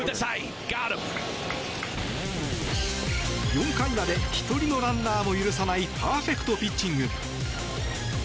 ４回まで１人のランナーも許さないパーフェクトピッチング。